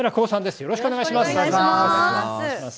よろしくお願いします。